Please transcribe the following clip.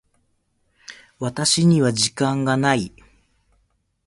私には時間がない。